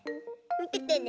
みててね。